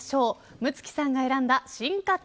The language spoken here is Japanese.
夢月さんが選んだ進化系